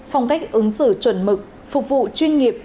phong cách ứng xử chuẩn mực phục vụ chuyên nghiệp